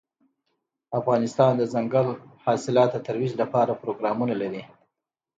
افغانستان د دځنګل حاصلات د ترویج لپاره پروګرامونه لري.